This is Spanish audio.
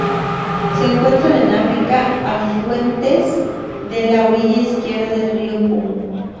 Se encuentran en África: afluente s de la orilla izquierda del río Congo.